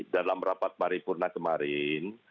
dalam rapat maripurna kemarin